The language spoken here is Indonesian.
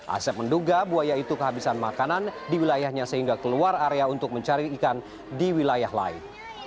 asep menduga buaya itu kehabisan makanan di wilayahnya sehingga keluar area untuk mencari ikan di wilayah lain